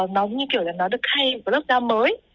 nó như kiểu là nó được khay một cái lớp da mới